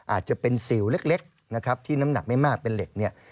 อาจจะเป็นซิลเล็กนะครับที่น้ำหนักไม่มากเป็นเหล็กเนี่ย